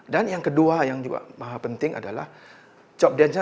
dan yang kedua yang juga penting adalah job desain